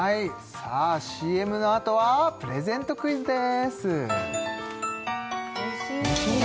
ＣＭのあとはプレゼントクイズです